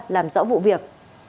làm rõ vụ việc